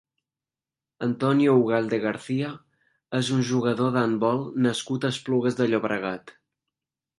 Antonio Ugalde García és un jugador d'handbol nascut a Esplugues de Llobregat.